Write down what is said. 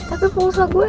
tapi pengusaha gue abis